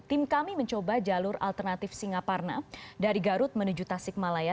tim kami mencoba jalur alternatif singaparna dari garut menuju tasik malaya